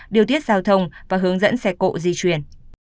điều tiết giao thông và hướng dẫn xe cộ di chuyển